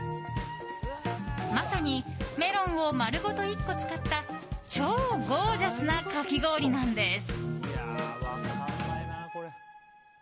まさにメロンを丸ごと１個使った超ゴージャスなかき氷なんです。